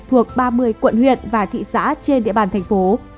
thuộc ba mươi quận huyện và thị xã trên địa bàn thành phố